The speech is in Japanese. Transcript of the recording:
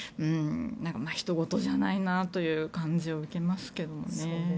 ひとごとじゃないなという感じは受けますけどね。